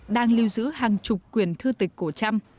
đang lưu giữ hàng chục quyền thư tịch cổ trăm